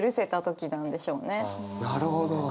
なるほど。